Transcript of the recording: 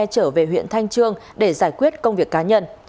của nguyễn thanh trương để giải quyết công việc cá nhân